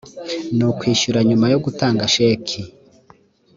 ni ukwishyura nyuma yo gutanga sheki